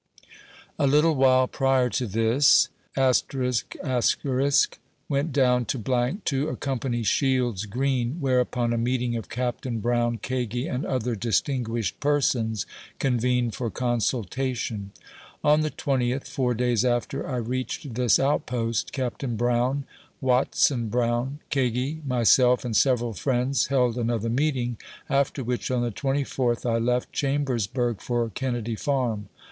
23 A little while prior to this, went down to. , to accompany Shields Green, whereupon a meeting of Capt. Brown, Kagi, and other distinguished persons, convened for consultation:' On the 20th, four days after I reached this outpost, Capt. Brown, Watson Brown, Kagi, myself, and several friends, held another meeting, after which, on the 24th, I left Chambershurg for Kennedy Farm.